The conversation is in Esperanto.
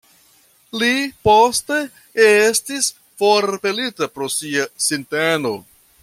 Li poste estis forpelita pro sia sinteno.